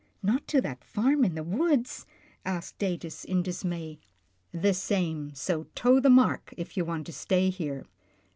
" Not to that farm in the woods ?" asked Datus in dismay. HIS ONLY SON 77 " The same, so toe the mark, if you want to stay here."